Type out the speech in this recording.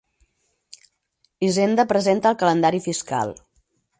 Hisenda presenta el calendari fiscal.